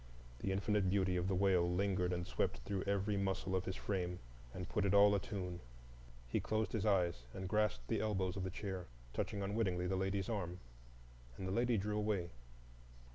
The infinite beauty of the wail lingered and swept through every muscle of his frame, and put it all a tune. He closed his eyes and grasped the elbows of the chair, touching unwittingly the lady's arm. And the lady drew away.